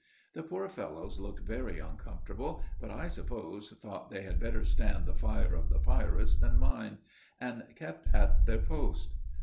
The poor fellows looked very uncomfortable; but, I suppose, thought they had better stand the fire of the pirates than mine, and kept at their post.